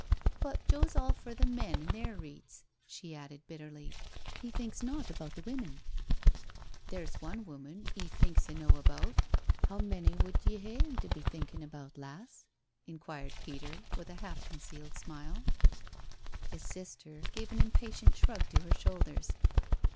" But Joe's all for the men an' their reets," she added bitterly; "he thinks nought about the women." '* Theer's one woman 'e thinks eno' about. How many wud ye hae 'im to be thinkin' about, lass?" in quired Peter, with a half concealed smile. His sister gave an impatient shrug to her shoulders.